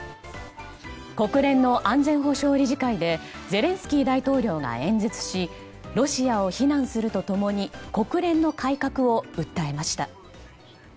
国連の安全保障理事会でゼレンスキー大統領が演説しロシアを非難すると共に国連の改革を訴えました。